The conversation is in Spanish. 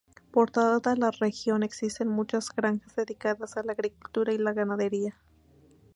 Por toda la región existen muchas granjas dedicadas a la agricultura y la ganadería.